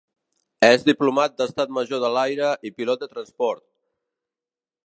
És Diplomat d'Estat Major de l'Aire i pilot de transport.